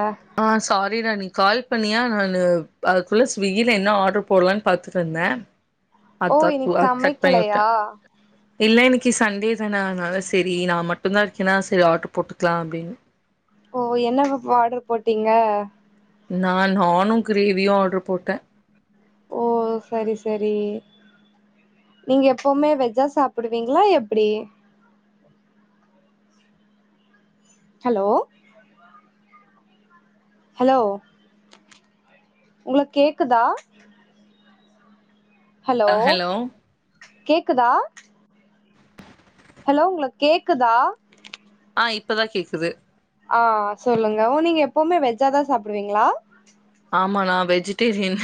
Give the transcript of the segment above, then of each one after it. அ ஆ சாரி ரணி கால் பண்ணியா நானு அதுக்குள்ளே ஸ்விகில என்ன ஆட்ரு போடலான்னு பாத்துட்டு இருந்தேன் ஓ அதான் இன்னைக்கு குவ கட் பண்ணி சமைக்கலையா விட்டேன் இல்ல எனக்கு கி சண்டே தானா அதனால செரி நான மட்டும்தான் இருக்கேன்னா செரி ஆட்டோ போட்டுக்கலாம் அப்டின்னு ஓ என்ன வ் ஆர்டர் போட்டீங்க நான நானும் கிரேவியும் ஆட்ரு போட்டேன் ஓ செரி செரி நீங்க எப்வுமே வெஜ்ஜா சாப்பிடுவீங்களா எப்டி ஹலோ ஹலோ உங்ளுக் கேக்குதா ஹலோ கேக்குதா ஹலோ உங்களு கேக்குதா ஆ இப்பதான் கேக்குது ஆ சொல்லுங்க ஓ நீங்க எப்வுமே வெஜ்ஜாதான் சாப்படுவீங்களா ஆமா நா வெஜிடேரியன்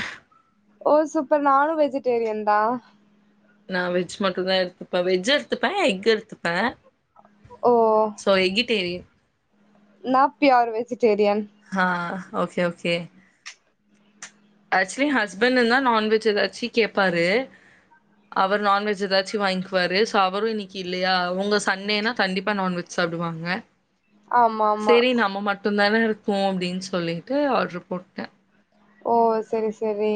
ஓ சூப்பர் நானும் வெஜிடேரியன் தான் நான வெஜ் மட்டும் தான் எடுத்துப்பேன் வெஜ் எடுத்துப்பேன் எக் எடுத்துப்பேன் ஓ சோ எகிட்டேரி ந பியர் வெஜ் ஆ ஓகே ஓகே ஆக்சுவலி ஹஸ்பண்ட் இருந்தான் நான் வெஜ் ஏதாச்சும் கேட்பாரு அவர் நான்வெஜ் ஏதாச்சும் வாங்கிக்குவாரு சோ அவரும் இன்னைக்கு இல்லயா அவங்க சண்டேனா கண்டிப்பா நான்வெஜ் சாப்படுவாங்க ஆமா ஆமா செரி நம்ம மட்டும்தானே இரு ம் அப்டின்னு சொல்லிட்டு ஆர்டரு போட்டேன் ஓ சேரி செரி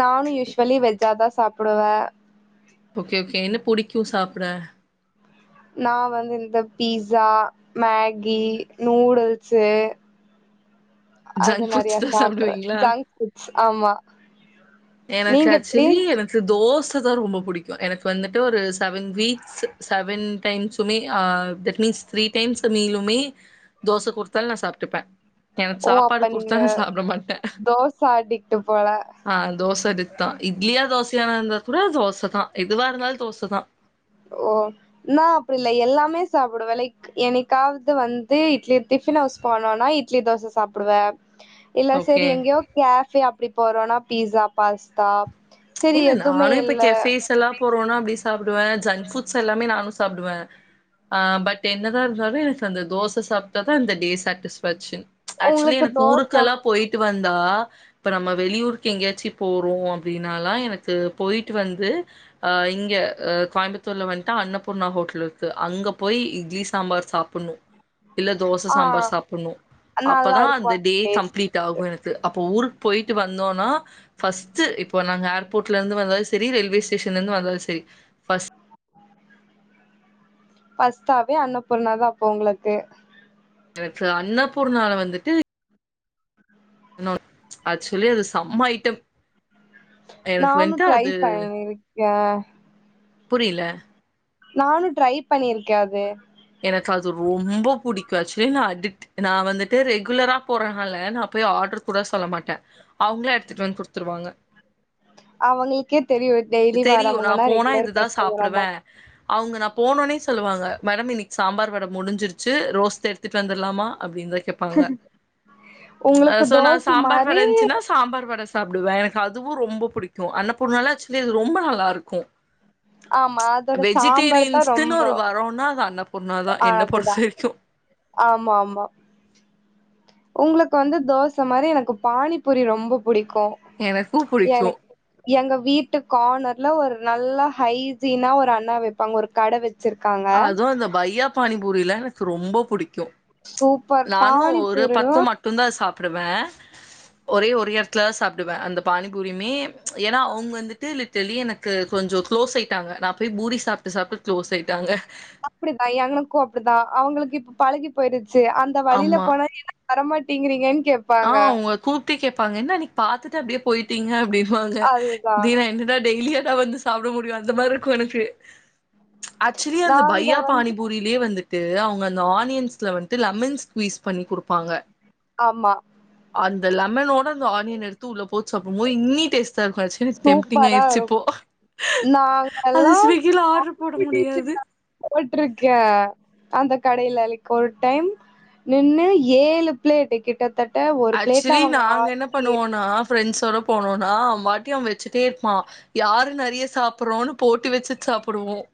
நானும் யூஸ்வலி வெஜ்ஜாதான் சாப்படுவேன் ஓகே ஓகே என்ன படிக்கும் சாப்பட நான வந்து இந்த பீஸா மேகி நூடுல்ஸு அது ஜங்க் நெறைய ஃபுட்ஸ் தான் சாப்பறேன் சாப்பிடுவீங்களா? ஜங்க்புட்ஸ் ஆமா எனக்கு நீங்க எப்டி ஆக்சுவலி எனக்கு தோ தோச தான் ரொம்ப பிடிக்கும் எனக்கு வந்துட்டு ஒரு seven weeks seven times May that means three times மீலுமே தோச கொடுத்தால்னே நா சாப் [inaudible] ஓ அப்ப நீங்க மாட்டேன். தோசை அடிட்டு போல தோசை எடுத்து தான் இட்லியா தோசையான இருந்தா கூட தோசை தான் எதுவா இருந்தாலும் தோசைதான் ஓ நான அப்டி இல்ல எல்லாமே சாப்படுவேன் லைக் என்னைக்காவது வந்து இட்லி டிஃபின் ஹவுஸ் போனோனா இட்லி தோசை சாப்படுவேன் இல்ல ஓகே. செரி எங்கேயோ கேஃபே அப்டி பரோனா பிஸா பாஸ்தா செரி என்ன எதுமே ஸ்நானும் இப்ப இல்ல கெபேஸ் எல்லாம் போறோம்ன்னா அப்டி சாப்படுவேன் ஜன் ஃபுட்ஸ் எல்லாமே நானும் சாப்படுவேன் பட் என்னதான் இருந்தாலும் எனக்கு அந்த தோசை சாப்பட்டா தான் அந்த டே சாட்டிஸ்ஃபேஷன் ஆக்சுலி உங்களுக்கு எனக்கு தோச ஊருக்கெல்லாம் போயிட்டு வந்த் தா இப்பநம்ம வெளியூர்க்கு எங்காயாச்சி போறோம் அப்டினு நான எனக்கு போயிட்டு வந்து இங்க கோயம்புத்தூர்ல வந்துட்டுா அன்னபூர்ணா ஹோட்டல் இருக்கு அங்க போய் இட்லி சாம்பார் சாப்பட இல்ல தோசை ஆ சாம்பார் சாப்படணும் நல்லா அப்தான் இருக்கு அந்த டே டேஸ்ட் கம்ப்ளீட் ஆகும் எனக்கு அப்ப ஊரு போயிட்டு வந்தோனா ஃபஸ்ட் இட் நாங்க ஏரோர்ட்ல இருந்து வந்த வந்த செரி ரயில்வேஸேஷன்ல இருந்து வந்தாலும் செரி பஸ் பஸ்டாவே அன்னபூர்ணாதான்ப்ப உங்களுக்கு எனக்கு அண்ணாபூர்னால வந்துட்டு நோ ஆக்சுலி அது செம்மயிட்டம் நானும் ட்ரை பணணிருக்கேன் புரில நானும் ட்ரை பண்ணிருக்கேன் அது எனக்கு அது ரொம்ப புடிக்கும் ஆக்சுலி நான நான வந்துட்டு ரெகுலரா போறதுனால நான போய் ஆர்டர் கூட சொல்ல மாட்டேன் அவங்கள எடுத்துட்டு வந்து கொடுத்துருவாங்க அவங்களுக்கே தெரியும் டெய்லி தெரியு நா வரவங்கனா போனா ரெகுலர் இதுதா கஸ்டமரா சாப்டுவே தான் அவங்க நா போனோனே சொல்லுவாங்க மேம் நீக் சாம்பார் வட முடிஞ்சிருச்சு ரோஸ் தே எடுத்துட்டு வந்துடலாமா அப்டின்னு தான் கேட்பாங்க உங்களுக்கு சோ நான் தோச சாம்பார் வட மாரி இருந்துச்சுன்னா சாம்பார் வட சாப்படுவேன் எனக்கு அதுவும் ரொம்ப பிடிக்கும் அண்ணபூர்னால ஆக்சுலி அது ரொம்ப நல்லா இருக்கும் ஆமா அதோட சாம்பார் தான் ரொம்போ பொண்ணாதான் என்ன பொறுத்த வரைக்கும் ஆமா ஆமா உங்களுக்கு வந்த தோசை மாரி எனக்கு பானிபூரி ரொம்ப புடிக்கும் எனக்கு புடிக்கு எளக் எங்க வீட்டு கானர்ல ஒரு நல்லா ஹைசினா ஒரு அண்ணா வைப்பாங்க ஒரு கட வச்ச அதும் அந்த பையா பானி பூரி எல்லாம் எனக்கு ரொம்ப பிடிக்கும் சூப்பர் [unintelligible] நானு ஒரு பானிபூரிலா பத்து மட்டும்தா சாப் பிடுவேன் ஒரே ஒருே இடத்துல சாப்படுவேன் அந்த பானிபூரியுமே ஏன்னா அவுங்க வந்துட்டு லிட்டலி எனக்கு கொஞ்சம் க்ளோஸ் ஆயிட்டாங்க நான போய் பூரி சாப்பட்டு சாப்பட்டுகுளோஸ் ஆயிட் தாங்க அப்டிதான் எங்களுக்கும் அப்டிதான் அவங்களுக்கு இப்ப பழகி போயிருது செரி அந்த வழியில ஆமா போனா என்ன வரமாட்டேங்கிறீங்க ஆ உங்க கூப்பிட்டே கேடப்பாங்க என்ன அன்னைக்கு பாத்துட்டு அப்டியே போயிட்டீங்க அப்டி போங்க அதுதா தீனா என்னடா டெய்லி எதா வந்து சாப்பட முடியும் அந்த மாரி இருக்கும் எனக்கு ஆச்சுவலி அந்த நாங்க பையா வந்து பானிபூரியிலேயே வந்து து அவுங்க அந்த ஆனியன்ஸ்ல வந்துட்டு லெமன்ஸ் குவிஸ் பண்ணி கொடுப்பாங்க ஆமா அந்த லெமனோட அந்த ஆனியன் எடுத்து உள்ள போச்சு அப்போ மோ இன்னி டேஸ்டா இருக்கு ஆக்சுவலி டெம்டிங் சூப்பரா ஆயிடுச்சு போ இருக்கு அது நாங்கல்லா ஸ்விக்கில ஆர்டர் போட முடியாது காம்படிஷன்ல போட்ருக்கே அந்த கடையில அன்னைக்கி ஒரு டைம் நின்னு ஏழு பிளேட்டு கிட்டத் த்தட்ட ஒரு பிளேட்ல அவங்க ஆறு ஏழு ப்ரெண்ட்ஸோட போனோம்னா அவன் வாட்டி அவன் வச்சுட்டே இருப்பான் யாரு நெறைய சாப்பறோன்னு போட்டி வச்சுட்டு சாப்படுவோம்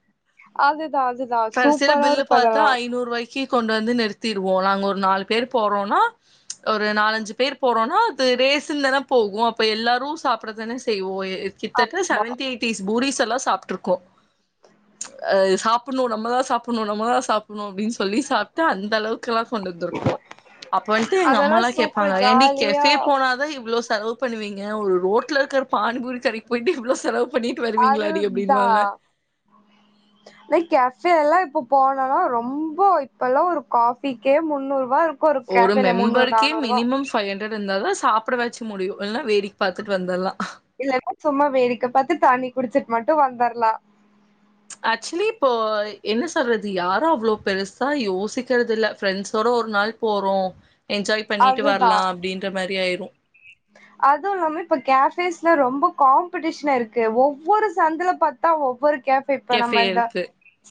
அதுதா அதுதா சூப்பரா இருக்கு பாத்தா அதெல்லா ஐநூறு ரூபாய்க்கு கொண்டு வந்து நிறுத்திருவோம் நாங்க ஒரு நாலு பேர் போறோம்னா ஒரு ஒரு நாலஞ்சு பேர் போறோம்னா அது ரேசன்ன தானே போகும் அப்ப எல்லாரும் சாப்படற தானே செய்வோம் கிட்டத்தட்ட ஆமா செவன்டி எயிட்டிஸ் பூரிஸ் எல்லாம் சாப்பட்டு இருக்கோம் சாப்படணும் நம்மதான் சாப்படணும் நம்மதான் சாப்பட னும் அப்டின்னு சொல்லி சாப்பட்டு அந்த அளவுக்குெல்லாம் கொண்டு வந்திருக்கோம் அப்ப வந்துட்டு எங்க அதெல்லா அம்மாலாம் சூப்பர் அவ ஏன்டி ஜாலியா கெஃபே போனாதான் இவ்வளோ லவ் பண்ணுவீங்க ஒரு ரோட்ல இருக்கிற பானிபூரி தட போயிட்டு இவ்வளோ செலவு பண்ணிட்டு அது வருவீங்களாடி அப்டின்வாங்க தான் நான் கெஃபே எல்லாம் இப்ப போனாலா ரொம்போ இப்பல்லா ஒரு காஃபிக்கே முந்நூறு ரூபா இருக்கும் ஒரு மெம்பருக்கே மினிமம் ஃபைவ் ஹண்ட்ரட் ருந்தாதா சாப்படவாச்சு முடியு இல்லனா வேடிக் இல்லன்னா சும்மா வேடிக்க பாத்து தண்ணி குடிச்சுட் மட்டும் வந்துரலாம் ஆக்சுவலி இப்போ என்ன சொல்றது யாரும் அவ்வளோ பெருசா யோசிக்கிறது இல்ல ஃப்ரெண்ட்ஸோட ஒரு நாள் போறோம் என்ஜாய் பண்ணிட்டு வரலாம் அப்புடின்ற மாரியாயிரும் [inaudible] அதுவும் இல்லாம இப்ப கேபேஸ்ல ரொம்ப காம்படிஷன் இருக்கு ஒவ்வொரு சந்தல பாத்தா ஒவ்வொரு கஃபே இப்ப நம்ம கெஃபே எந்தா இருக்கு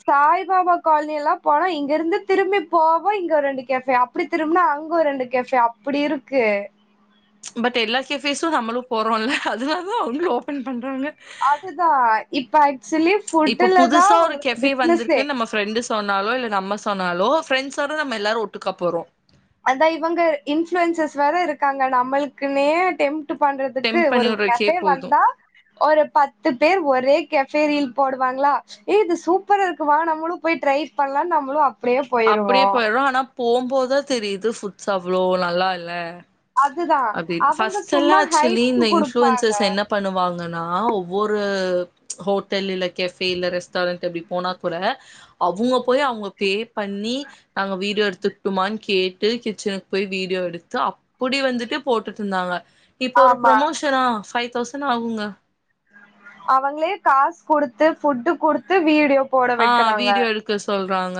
சாய் பாபா காலனி எல்லாம் போனா இங்க இருந்து திரும்பி போவோ இங்க ரெண்டு கேஃபே அப்டி திரும்பனா அங்க ரெண்டு கேஃபே அப்டி இருக்கு பட் எல்லா கேஃபேஸும் நம்முலும் போறோம்ல அதனாலதான் அவங்கள ஓபன் பண்றாங்க அதுதான் இப்ப ஆக்சுவலி இப்போ ஃபுட்டு தான் புதுசா ஒரு உங்களுக்கு கெஃபே பிசினஸ்சே வந்திருக்குன்னு நம்ம ஃப்ரெண்டு சொன்னாலோ இல்ல நம்ம சொன்னாலோ பிரெண்ட்ஸோட நம்ம எல்லாரும் ஒட்டுக்கா போறோம் அதான் இவங்க இன்ஃளுயன்சஸ் வேற இருக்காங்க நம்மளுக்குனே டெம் ட்டு பண்றதுக்கு டெம்ப் பண்ணி ஒரு விட்றக்கே கஃபே போது வந்தா ஒரு பத்து பேர் ஒரே கபேரியில் போடுவாங்களா ஏ இது சூப்பர் இருக்குவ நம்மளும் போய் ட்ரைவ் பண்ணலாம் நம்பளு அப்டியே போயிருவோம் போகுபோதுதான் தெரியுது ஃபுட்ஸ் அவ்ளோ நல்லா இல்ல அதுதா அப்படின் அவங்க ப்ஸ்ட் சும்மா எல்லாம் ஆக்சுவலி ஹைப் இந்த குடுப்பாங்க இன்ஃப்ளுயுன்சர் என்ன பண்ணுவாங்கன்னா ஒரு ஹோட்டல்ல கேபே இல்ல ரெஸ்டாரண்ட் அப்டிப் போனா கூட அவங்க போய் அவங்க பே பண்ணி நாங்க வீடியோ எடுத்துட்டுனு கேட்டு கிச்சனுக்கு போய் வீடியோ எடுத்து அப்படி போட்டுட்டு இருந்தாங்க இப்ப ஒரு ஆமா பரொமோஷனா பைவ் தோசன அவுங்க அவங்களே காசு கொடுத்து ஃபுட்டு கொடுத்து வீடியோ போட ஆஹ் வைக்கிறாங்க வீடியோ எடுக்க சொல்றாங்க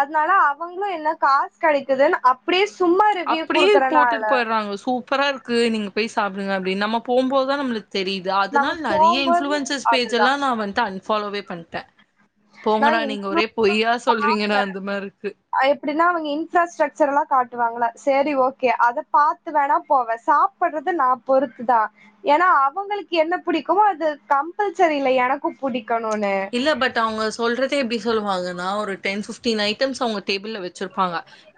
அதனால அவங்களு என்ன காசு கெடைக்குதுன்னு அப்படியே சும்மா ரிவ்யூ அப்படியே குடுக்கறனால போட்டுட்டு போய்டுறாங்க சூப்பரா இருக்கு நீங்க பேசு சாப்புடுங்க அப்படினு நம்ம போபோதுதான் நம்ளுக் தெரியுது நம்ம அதனால் நிறைய போம்போது இன்ஃப்ளுவன்சஸ் அதுதா பேஜ்ஜெல்லாம் நான் வந்து அன்ஃபாலோவே பண்ட்டேன் நான் போங்கடா நீங்க ஒரே இன்ஃப்ரன்ஸ் பொய்யா சொல்றீங்கடா அந்த [unintelligible] மாரி இருக்கு எப்படின்னா அவங்க இன்ஃராஸ்ட்ரக்சர் எல்லாம் காட்டுவாங்கள செரி ஓகே அத பார்த்து வேணா போவேன் சாப்படுறது நான் பொறுத்துதான் ஏன்னா அவங்களுக்கு என்ன பிடிக்குமோ அது கம்பல்சரி இல்ல எனக்கும் புடிக் இல்ல பட் அவங்க சொல்றதே எப்படி சொல்லுவாங்கன்னா ஒரு டென் ஃபிப்டீன் ஐட்டம்ஸ் அவங்க டேபிள்ல வச்சிருப்பாங்க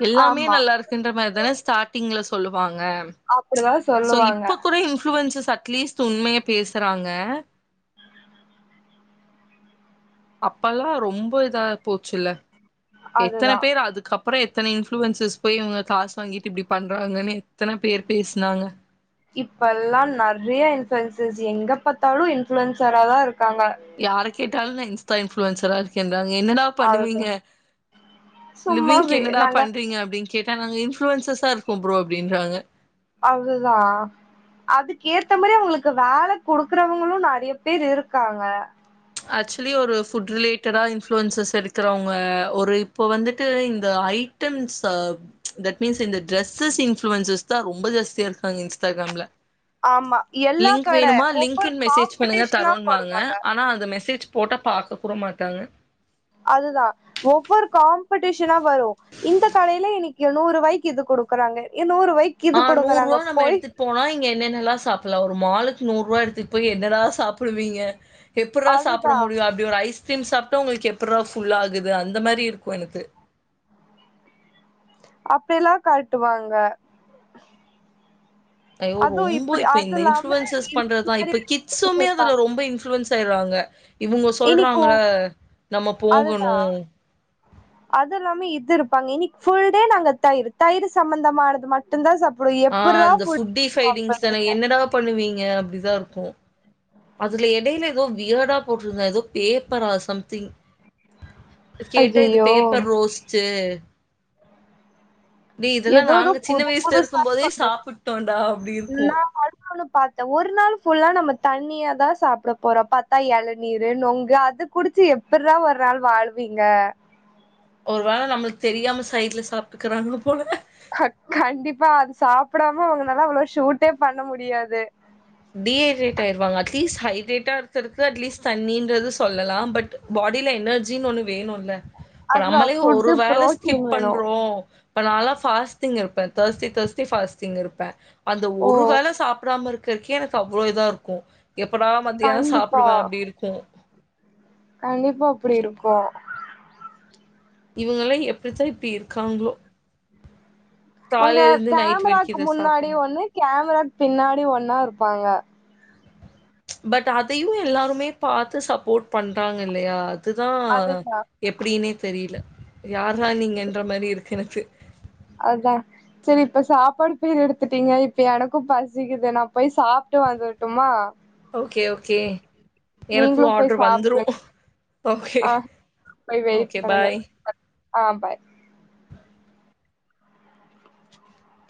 எல்லாமே ஆமா நல்லா இருக்குன்ற மாரி தானே ஸ்டாட்டிங்ல சொல்லுவாங் ஹா அப்டிதா சோ சொல்லுவாங்க இப்ப கூட இன்புளுவன்சஸ் அட்லீஸ்ட் உண்மைய பேசுறாங்க [inaudible] அப்ல்லாம் ரொம்ப இதா போச்சுல்ல எத்தனை அதுதா பேர் அதுக்கப்பறம் எத்தனை இன்ஃப்ளுவன்சஸ் போய் இவங்க காசு வாங்கிட்டு இப்டி பண்றாங்கன்னு எத்தனை பேர் பேசுனாங்க இப்ப எல்லாம் நெறைய இன்ஃளுவன்சஸ் எங்க பாத்தாலும் இன்ஃளுன்சரா தான் இருக் யார கேட்டாலும் நா இன்ஃபுளுலன்சரா இரு ங்க என்னடா அது பண்ணுவீங்க சும்மா லிவிங்க் வி என்னடா நாங்க பண்றீங்க அப் கேட்டானங்க இன்ஃளுவன்சஸா இருக்கும் ப்ரோ அப்டின்குறாங்க அதுதா அதுக்கு ஏத்த மாரி அவங்களுக்கு வேல கொடுக்குறவங்களும் நெறைய பேர் இருக்காங்க ஆக்சுவலி ஒரு ஃபுட் ரிலேட்டடா இன்ஃளுவன்சஸ் இருக்கிறவங்க ஒரு இப்போ வந்துட்டு இந்த ஐட்டம்ஸ் தட் மீன்ஸ் இந்த ட்ரெஸ்ஸஸ் இன்ஃளுவன்சஸ் தான் ரொம்ப ஜாஸ்தியா இருக்காங்க இன்ஸ்டாகிராம்ல ஆமா எல்லா லிங்க் கட வேணுமா ஒவ்வொரு லிங்க்ன்னு மெசேஜ் பண்ணுங்க காம்படிஷனா தரோன்னுவாங்க போடுவாங்க ஆனா அந்த மெசேஜ் போட்ட பாக்க கூட மாட்டாங்க அதுதான் ஒவ்வொரு காம்படிஷனா வரும் இந்த கடயில இன்னைக்கு நூறு ரூவாய்க்கு இது குடுக்குறாங்க நூறுவாய்க்கு ஆ இது நூறுபா குடுக்குறாங்க நம்ம போய் எடுத்துட்டு போனோ ங்க என்னெல்லா சாப்பட லாம் ஒரு மாலுக்கு நூறு ரூபாய் எடுத்துட்டு போய் என்னடா சாப்படுவீங்க எப்ட்ரா சாப்பட அதுதா முடியும் அப்டிய ஒரு ஐ ஐஸ்கிரீம் சாப்பட்டு உங்களுக்கு எப்புட்ரா ஃபுல்லாகுது அந்த மாரி இருக்கும் எனக்கு அப்டியெல்லாம் காட்டுவாங்க ஐயோ அதுவு ரொம்ப இப்டி இப்ப அது இந்த இல்லாம இன்ஃளுவன்சஸ் இந்த பண்றதுதான் மாரி இப்ப கிட்ஸுமே அதுல இருப்பாங்க ரொம்ப இன்ளுவன்ஸ் ஆயடுறாங்க ங்க இவங்க இன்னைக்கு சொல்றாங்கள நம்ம அதுதா போகணும் புல்டே நாங்க தயிர் தயிர் சம்பந்தமானது மட்டும் தான் சாப் ஆ அந்த ஃபுட்டீஸ் பைண்டிங் அத என்னடா பண்ணுவீங்க அப்டி இத இருக்கும் அதுல இடயில ஏதோ வியர்டா போட்டிருந்தா ஏதோ பேப்பரா சம்திங் கேட்ட இது ஐயையோ பேப்பர் ரோஸ்ட்டு அப்டி இதெல்லாம் ஏதோ ஏதோ நாங்க சின்ன புது வயசுல இருக்கும் புதுசா போதே சாப்பட்டோடா அப்டி இருக்கும் பாத்தா ஒரு நாள் ஃபுல்லா நம்ம தண்ணியாதான் சாப்பட போறோம் பாத்தா இளநீரு நொங்கு அது குடிச்சு எப்ட்ற ஒரு நாள் வாழ்வீங்க ஒரு வேள நம்மளுக்கு தெரியாம சைடு்ல சாப்ட்டுக்குறாங்க போல கண்டிப்பா அது சாப்படாம அவங்க நாலா அவ்வளவு ஷூட்டே பண்ண முடியாது டீஹைடரேட் ஆயிருவாங்க ப்ளீஸ் ஹட்ரேட்டா இருகறதுக்கு அட்லீஸ்ட தண்ணின்றத சொல்லலாம் பட் பாடியில எனர்ஜின்னு ஒன்று வேணும் இப்ப அதுதா நம்மலே ஒரு ஃபுட்டு வேள ஸ்கிப் புரோட்டீன் வேணு பண்றோம் இப்ப நால பாஸ்டிங் இருப்பேன் தேர்ஸ்டே தேர்ஸ்டே பாஸ்டிங் இருப்பேன்ர அந்த ஓ ஒரு வேளை சாப்பிடாம இருக்கு இருக்கே எனக்கு அவ்வளோ இதான் இருக்கும் எப்படா மத்தியானம் கண்டிப்பா சாப்பிடுவேன் அப்படி இருக்கும் கண்டிப்பா அப்படி இருக்கும்கோ இவங்களாம் எப்படித்தான் இப்படி இருக்காங்களோ உங்க காலைல இருந்து நைட் வரைக்கு கேமராக்கு இத முன்னாடி சாப்பட்றோ ஒண்ணு கேமராக்கு பின் வாங்க பட் அதையும் எல்லாருமே பார்த்து சப்போர்ட் பண்றாங்க இல்லையா அதுதான் அதுதா எப்படனே தெரியல யாரா நீங்க என்ற மாதிரி இரு எனனச்சு அதான் சரி இப்ப சாப்பாடு போயர் எடுத்துட்டீங்க இப்ப எனக்கும் பசிக்குது நான் போய் சாப்பிட்டு வந்துட்டுமா ஓகே ஓகே எனக்கும் நீங்களும் போய் ஆர்டர் சாப்பங்க வந்துரும். ஓகே, ஆஹ்ய் வெய்ட் ஓகே பண்ணுங்க பாய். ஆஹ் பாய் [inaudible]